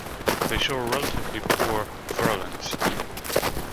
They show a relatively poor virulence.